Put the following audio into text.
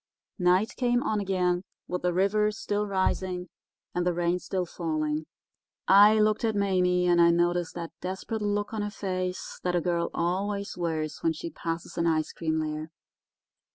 "Night came on again with the river still rising and the rain still falling. I looked at Mame and I noticed that desperate look on her face that a girl always wears when she passes an ice cream lair.